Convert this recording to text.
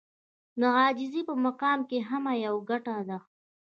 د عاجزي په مقام کې هم يوه ګټه ده.